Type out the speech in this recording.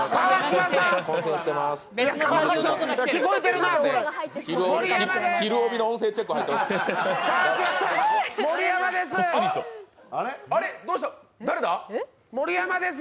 「ひるおび！」の音声チェック入ってます。